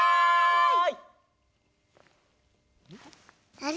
あれ？